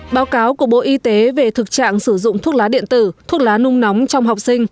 báo cáo của bộ y tế về thực trạng sử dụng thuốc lá điện tử thuốc lá nung nóng trong học sinh